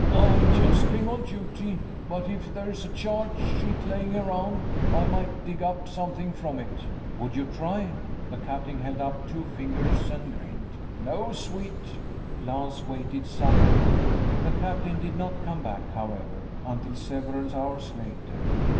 "I just came on duty. But if there's a charge sheet lying around, I might dig up something from it." "Would you try?" The captain held up two fingers and grinned. "No sweat." Lance waited some more. The captain did not come back, however, until several hours later.